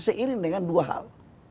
seiring dengan dua hal